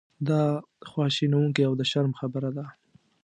دا خواشینونکې او د شرم خبره ده.